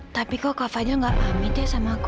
tapi kok kak fadil gak pamit ya sama aku